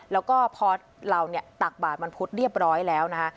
แล้วก็พอเราเนี่ยตักบาทวันพุธเรียบร้อยแล้วนะคะ